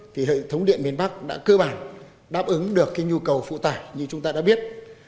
thì hệ thống điện miền bắc đã cơ bản đáp ứng được nhu cầu phụ tải như chúng ta đã biết